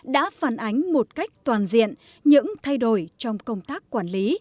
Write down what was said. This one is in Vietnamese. đã phản ánh một cách toàn diện những thay đổi trong công tác quản lý